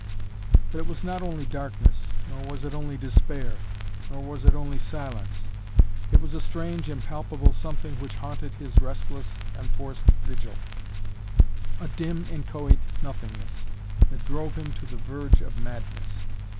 But it was not only darkness, nor was it only despair. Nor was it only silence. It was a strange impalpable something which haunted his restless, enforced vigil; a dim inchoate nothingness, that drove him to the verge of madness.